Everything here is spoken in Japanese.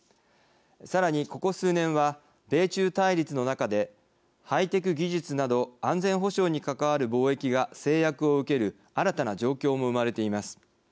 さらに、ここ数年は米中対立の中でハイテク技術など安全保障に関わる貿易が制約を受ける新たな状況も生まれています。